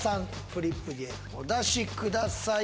フリップでお出しください